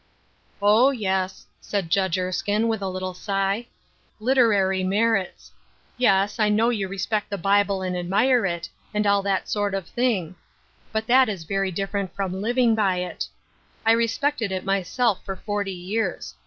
" Oh, yes," said Judge Esrkine, with a little sigh. "' Literary merits I ' Yes, I know you respect the Bible and admire it, and all that sort of thing ; but that is very different from living by it. I respected it myself for forty years.